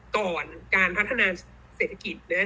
ก่อนการพัฒนาเศรษฐกิจ